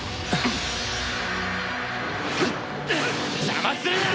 邪魔するな！